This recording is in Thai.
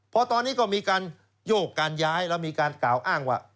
พอตอนนี้ก็มีการโยกการย้ายแล้วมีการกล่าวอ้างว่า